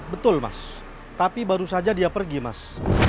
betul mas tapi baru saja dia pergi mas